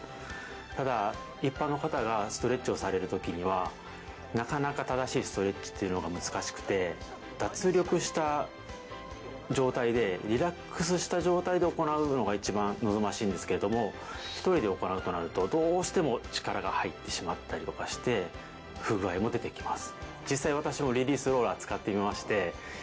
ただ一般の方がストレッチをされるときにはなかなか正しいストレッチっていうのが難しくて脱力した状態でリラックスした状態で行うのが一番望ましいんですけれども一人で行うとなるとどうしても力が入ってしまったりとかして不具合も出てきます